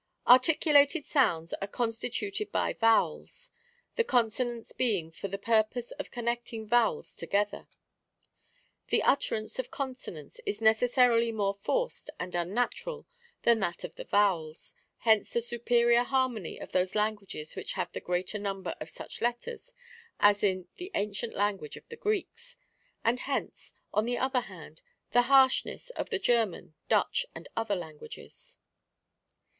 •'Articulated sounds are constituted by vowels, the consonants being for the purpose of connecting vowels together. The utterance of con sonants is necessarily more forced an unnatural than that of the vowels, hence the superior harmony of those languages which have the greater number of such letters, as in the ancient language of the Greeks ; and hence, on the other hand, the harshness of the German, Dutch and other languages.